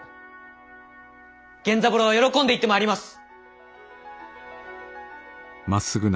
源三郎は喜んで行ってまいります！